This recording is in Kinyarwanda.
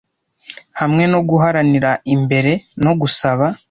Hamwe no guharanira imbere, no gusaba